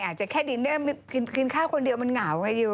อาจจะแค่ดินเนอร์กินข้าวคนเดียวมันเหงาไงอยู่